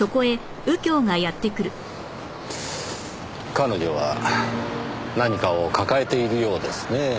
彼女は何かを抱えているようですねぇ。